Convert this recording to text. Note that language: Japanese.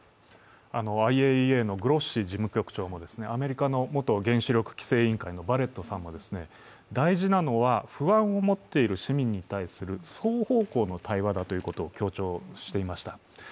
ＩＡＥＡのグロッシ事務局長もアメリカの元原子力規制委員会のバレットさんも大事なのは不安を持っている市民に対する双方向の対話だと強調していました。